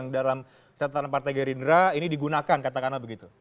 satu satunya partai gerindra ini digunakan katakanlah begitu